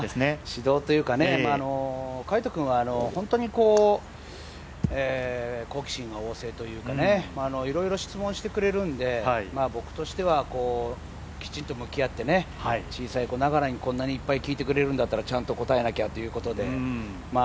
指導というか、魁斗君は本当に、好奇心が旺盛というかいろいろ質問してくれるんで、僕としてはきちんと向き合って小さい子ながらにこんなに聞いてくれるならちゃんと答えなきゃということで。